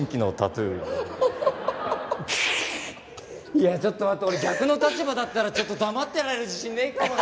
いやちょっと待って俺逆の立場だったらちょっと黙ってられる自信ねえかもな。